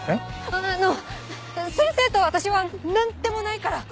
ああの先生と私は何でもないから！